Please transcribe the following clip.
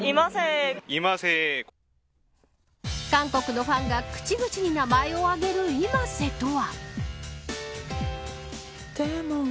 韓国のファンが口々に名前を挙げるｉｍａｓｅとは。